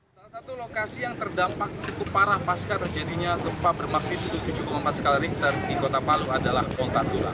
salah satu lokasi yang terdampak cukup parah pasca terjadinya gempa bermaklum tujuh empat skala ring dari di kota palu adalah ponta tura